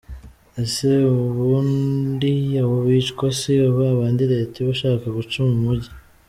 Ese ubundi abo bicwa si babandi Leta iba ishaka guca mu mujyi?